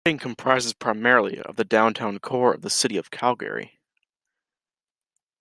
The riding comprises primarily the downtown core of the city of Calgary.